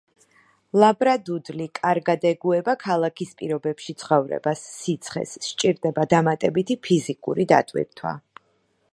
ლაბრადუდლი კარგად ეგუება ქალაქის პირობებში ცხოვრებას, სიცხეს, სჭირდება დამატებითი ფიზიკური დატვირთვა.